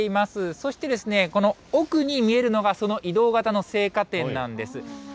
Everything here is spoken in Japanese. そしてこの奥に見えるのが、その移動型の青果店なんです。